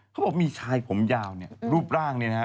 ขายผมมีผัวหย่าวเนี้ยรูปร่างเนี้ยนะฮะ